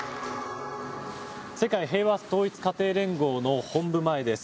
世界平和統一家庭連合の本部前です。